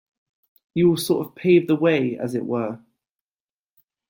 You will sort of pave the way, as it were.